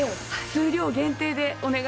数量限定ですね。